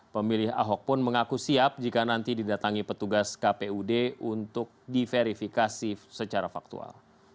pemilih ahok pun mengaku siap jika nanti didatangi petugas kpud untuk diverifikasi secara faktual